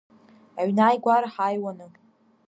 Аҩны ааигәара ҳааиуаны…